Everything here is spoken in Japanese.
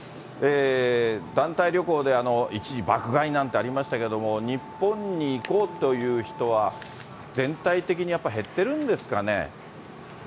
団体旅行で一時、爆買いなんてありましたけども、日本に行こうという人は、全体的にやっぱ減ってるんですかね。